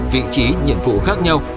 vị trí nhiệm vụ khác nhau